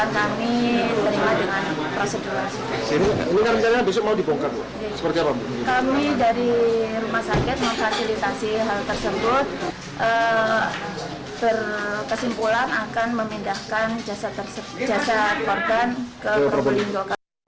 terkesimpulan akan memindahkan jasa korban ke probolinggo